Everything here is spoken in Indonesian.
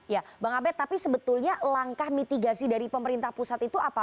ya bang abed tapi sebetulnya langkah mitigasi dari pemerintah pusat itu apa